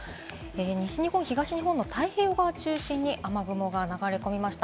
西日本、東日本の太平洋側を中心に雨雲が流れ込みました。